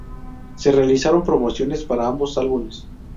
Se realizaron promociones para ambos álbumes.